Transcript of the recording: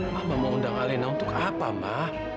mama mau undang alena untuk apa ma